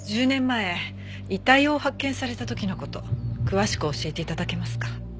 １０年前遺体を発見された時の事詳しく教えて頂けますか？